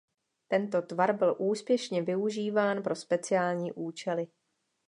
Tento tvar byl úspěšně využíván pro speciální účely.